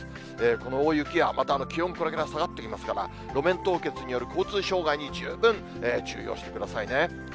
この大雪や、また気温、これから下がってきますから、路面凍結による交通障害に十分注意をしてくださいね。